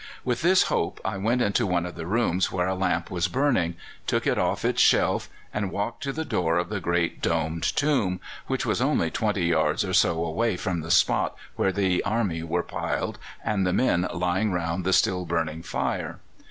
With this hope I went into one of the rooms where a lamp was burning, took it off its shelf, and walked to the door of the great domed tomb, which was only 20 yards or so away from the spot where the arms were piled and the men lying round the still burning fire.